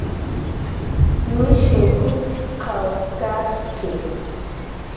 Mishinh juchqw katki